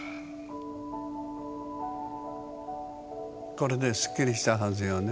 これでスッキリしたはずよね。